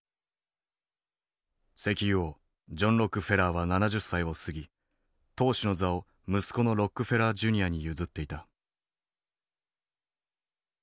石油王ジョン・ロックフェラーは７０歳を過ぎ当主の座を息子のロックフェラージュニアに譲っていた。